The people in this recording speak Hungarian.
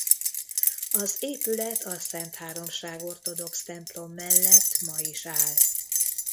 Az épület a Szentháromság ortodox templom mellett ma is áll.